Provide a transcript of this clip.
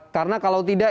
karena kalau tidak